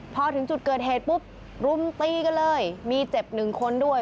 พอถึงจุดเกิดเหตุปุ๊บรุมตีกันเลยมีเจ็บหนึ่งคนด้วย